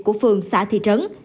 của phường xã thị trấn